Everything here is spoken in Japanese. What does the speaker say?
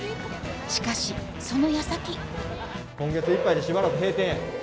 しかしそのやさき今月いっぱいでしばらく閉店や。